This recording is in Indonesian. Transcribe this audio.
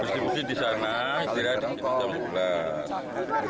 bersih bersih di sana istirahat